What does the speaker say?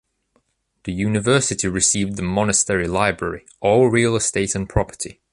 The university received the monastery library, all real estate and property.